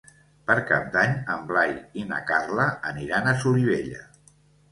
Per Cap d'Any en Blai i na Carla aniran a Solivella.